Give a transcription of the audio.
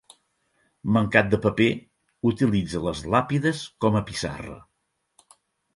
Mancat de paper, utilitza les làpides com a pissarra.